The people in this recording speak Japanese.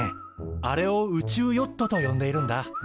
あれを宇宙ヨットと呼んでいるんだ。